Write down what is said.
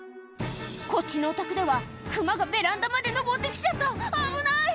こっちのお宅ではクマがベランダまで登って来ちゃった危ない！